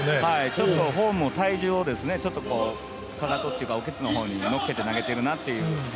ちょっとフォームを体重をかかとというかおケツの方にのっけて投げてるなっていう。